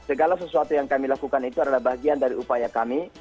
segala sesuatu yang kami lakukan itu adalah bagian dari upaya kami